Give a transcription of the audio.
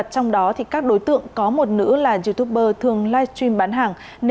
trong đó các đối tượng có một nữ là youtuber thường live stream bán hàng